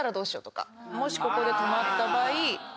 もしここで止まった場合。